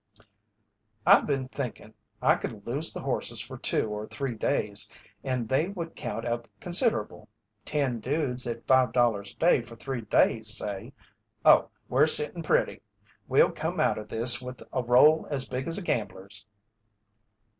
"I've been thinkin' I could lose the horses for two or three days and that would count up considerable. Ten dudes at $5.00 a day for three days, say Oh, we're sittin' pretty! We'll come out of this with a roll as big as a gambler's."